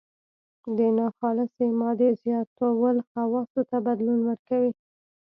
د ناخالصې مادې زیاتول خواصو ته بدلون ورکوي.